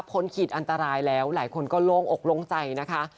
ขีดอันตรายแล้วหลายคนก็โล่งอกโล่งใจนะคะ